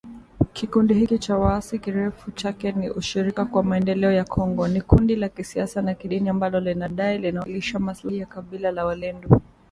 kikundi hiki cha waasi kirefu chake ni 'Ushirika kwa maendeleo ya Kongo' ni kundi la kisiasa na kidini ambalo linadai linawakilisha maslahi ya kabila la walendu